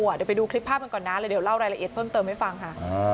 เดี๋ยวไปดูคลิปภาพกันก่อนนะแล้วเดี๋ยวเล่ารายละเอียดเพิ่มเติมให้ฟังค่ะ